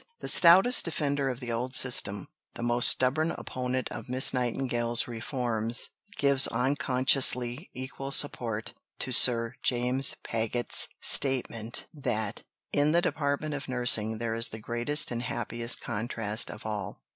The stoutest defender of the old system, the most stubborn opponent of Miss Nightingale's reforms, gives unconsciously equal support to Sir James Paget's statement that "in the department of nursing there is the greatest and happiest contrast of all."